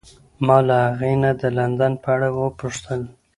ما له هغې نه د لندن په اړه وپوښتل.